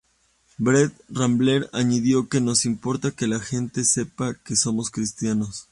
Brent Rambler añadió que "Nos importa que la gente sepa que somos Cristianos.